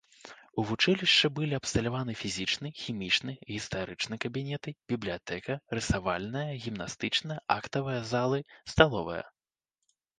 У вучылішчы былі абсталяваны фізічны, хімічны, гістарычны кабінеты, бібліятэка, рысавальная, гімнастычная, актавая залы, сталовая.